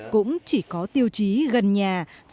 cũng chỉ có tiêu chí gần nhà trẻ